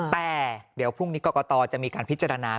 แต่เดี๋ยวพรุ่งนี้กรกตจะมีการพิจารณา